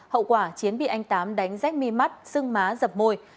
hậu quả chiến bị anh tám đánh rách mi mắt xưng má dập mồi